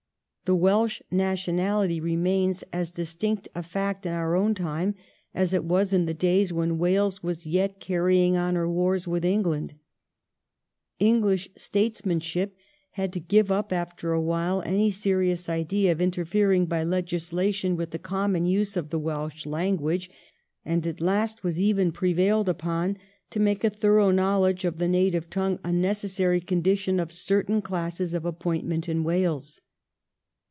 The Welsh nationality remains as distinct a fact in our own time as it was in the days when Wales was yet carrying on her wars with England. Enghsh states manship had to give up after a while any serious idea of interfering by legislation with the common use of the Welsh language, and at last was even prevailed upon to make a thorough knowledge of the native tongue a necessary condition of certain classes of appointment in Wales.